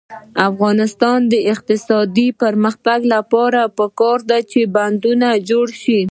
د افغانستان د اقتصادي پرمختګ لپاره پکار ده چې بندونه جوړ شي.